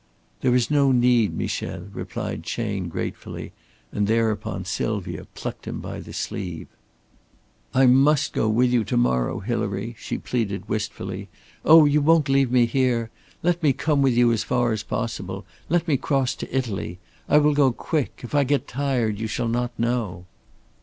"There is no need, Michel," replied Chayne, gratefully, and thereupon Sylvia plucked him by the sleeve. "I must go with you to morrow, Hilary," she pleaded, wistfully. "Oh, you won't leave me here. Let me come with you as far as possible. Let me cross to Italy. I will go quick. If I get tired, you shall not know."